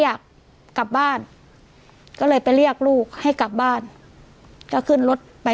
อยากกลับบ้านก็เลยไปเรียกลูกให้กลับบ้านก็ขึ้นรถไป